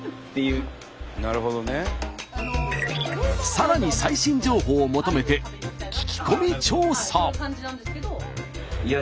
さらに最新情報を求めて聞き込み調査。